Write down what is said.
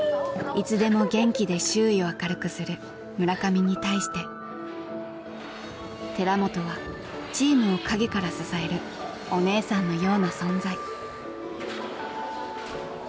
いつでも元気で周囲を明るくする村上に対して寺本はチームを陰から支えるおねえさんのような存在。